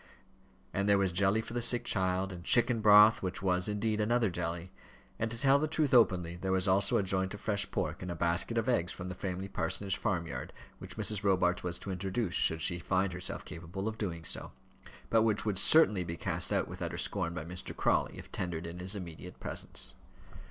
And there was jelly for the sick child, and chicken broth, which was, indeed, another jelly; and, to tell the truth openly, there was also a joint of fresh pork and a basket of eggs from the Framley Parsonage farmyard, which Mrs. Robarts was to introduce, should she find herself capable of doing so; but which would certainly be cast out with utter scorn by Mr. Crawley, if tendered in his immediate presence.